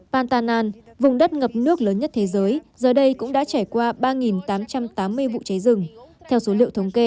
pantanan vùng đất ngập nước lớn nhất thế giới giờ đây cũng đã trải qua ba tám trăm linh triệu